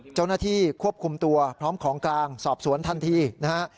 เจ้าหน้าที่ควบคุมตัวพร้อมของกลางสอบสวนทันทีนะฮะ